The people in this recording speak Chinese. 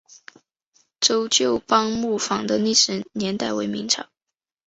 周旧邦木坊的历史年代为明代。